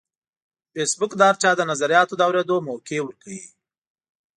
فېسبوک د هر چا د نظریاتو د اورېدو موقع ورکوي